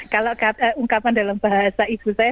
kalau ungkapan dalam bahasa ibu saya